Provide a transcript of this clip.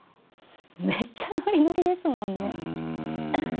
めっちゃノリノリですもんね。